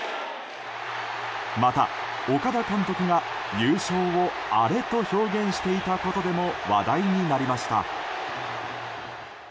また岡田監督が、優勝をアレと表現していたことでも話題になりました。